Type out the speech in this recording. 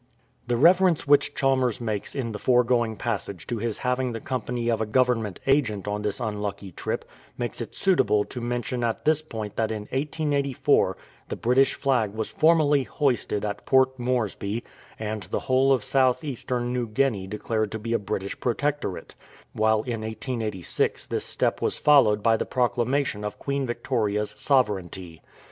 The reference which Chalmers makes in the foregoing passage to his having the company of a Government agent on this unlucky trip makes it suitable to mention at this point that in 1884 the British flag was formally hoisted at Port Moresby, and the whole of South eastern New Guinea declared to be a British Protectorate ; while in 1886 this step was followed by the proclamation of Queen Victoria'*s sovereignty.